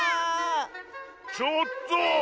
ちょっと！